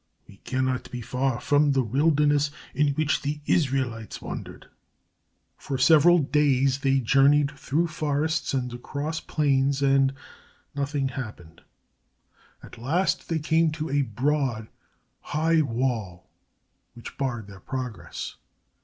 We cannot be far from the wilderness in which the Israelites wandered." For several days they journeyed through forests and across plains and nothing happened. At last they came to a broad, high wall which barred their progress.